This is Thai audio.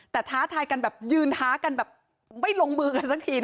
แต่ท้าทายกันแบบยืนท้ากันแบบไม่ลงมือกันสักที